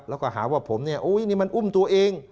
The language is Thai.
แล้วก็หาว่าผมเนี่ยอุ้ยนี่มันอุ้มตัวเอง